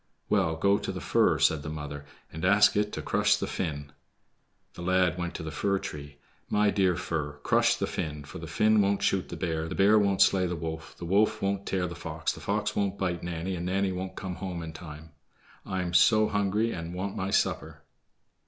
"Well, go to the fir," said his mother, "and ask it to crush the Finn." The lad went to the fir tree. "My dear fir, crush the Finn, for the Finn won't shoot the bear, the bear won't slay the wolf, the wolf won't tear the fox, the fox won't bite Nanny, and Nanny won't come home in time. I am so hungry and want my supper."